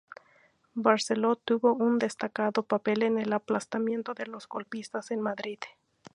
Barceló tuvo un destacado papel en el aplastamiento de los golpistas en Madrid.